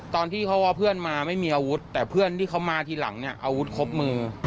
ตอนที่เขาว่าเพื่อนมาไม่มีอาวุธแต่เพื่อนที่เขามาทีหลังเนี่ยอาวุธครบมือ